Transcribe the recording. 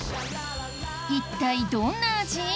一体どんな味？